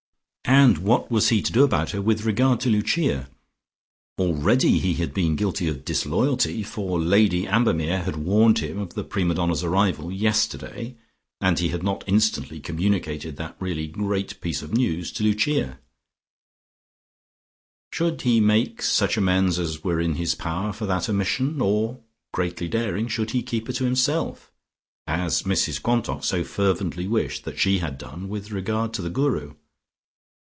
And what was he to do about her with regard to Lucia? Already he had been guilty of disloyalty, for Lady Ambermere had warned him of the prima donna's arrival yesterday, and he had not instantly communicated that really great piece of news to Lucia. Should he make such amends as were in his power for that omission, or, greatly daring, should he keep her to himself, as Mrs Quantock so fervently wished that she had done with regard to the Guru?